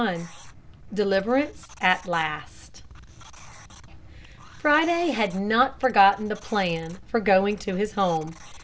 XLI DELIVERANCE AT LAST Friday had not forgotten the plan for going to his home.